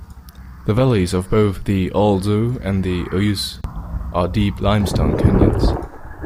The valleys of both the Alzou and the Ouysse are deep limestone canyons.